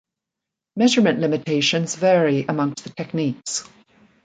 Measurement limitations vary amongst the techniques.